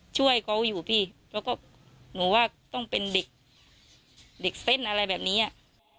ช่วยเขาอยู่พี่แล้วก็หนูว่าต้องเป็นเด็กเด็กเต้นอะไรแบบนี้อ่ะ